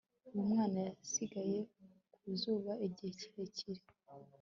Uwo mwana yasigaye ku zuba igihe kirekire